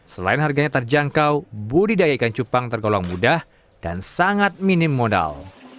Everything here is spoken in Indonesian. selain harganya terjangkau budidaya ikan cupang tergolong mudah dan sangat minim modal